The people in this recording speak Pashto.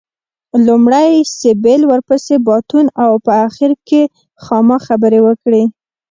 لومړی سېبل ورپسې باتون او په اخر کې خاما خبرې وکړې.